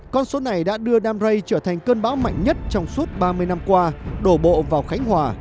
con số này đã đưa đam rây trở thành cơn bão mạnh nhất trong suốt ba mươi năm qua